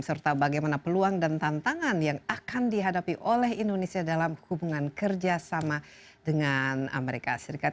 serta bagaimana peluang dan tantangan yang akan dihadapi oleh indonesia dalam hubungan kerjasama dengan amerika serikat